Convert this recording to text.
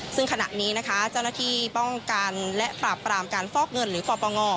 ซึ่งขณะนี้นะคะเจ้าหน้าที่ป้องกันและปราบปรามการฟอกเงินหรือปปง